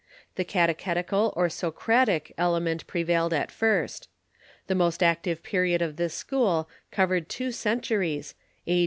The catechetical, or Socratic, element pre vailed at first. The most active period of this school covered two centuries, a.